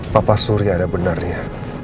papa surya ada benarnya